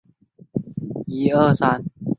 还有另一种传播方式是母亲在生产时给婴孩。